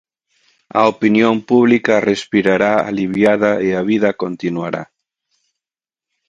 A opinión pública respirará aliviada e a vida continuará.